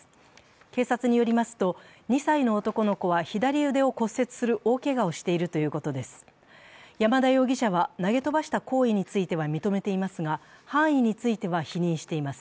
警察によりますと、２歳の男の子は左腕を骨折する大けがをしているということです。